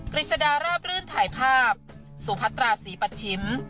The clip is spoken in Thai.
ฤษดาราบรื่นถ่ายภาพสุพัตราศรีปัชชิม